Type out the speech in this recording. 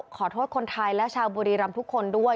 ขอโทษคนไทยและชาวบุรีรำทุกคนด้วย